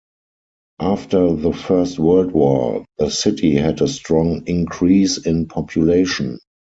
After the First World War, the city had a strong increase in population.